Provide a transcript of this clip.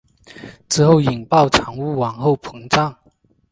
之后引爆产物往后膨胀。